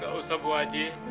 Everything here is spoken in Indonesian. gak usah bu haji